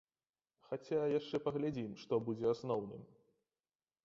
Хаця яшчэ паглядзім, што будзе асноўным!